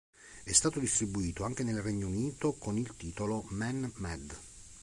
È stato distribuito anche nel Regno Unito con il titolo "Man Mad".